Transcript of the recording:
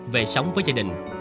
về sống với gia đình